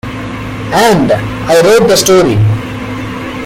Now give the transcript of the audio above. And, I wrote the story.